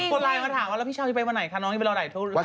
คนไลน์มาถามว่าแล้วพี่เช้าจะไปวันไหนคะน้องจะไปรอไหน